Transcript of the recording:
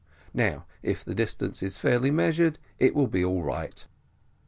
Now, if the distance is fairly measured, it will be all right."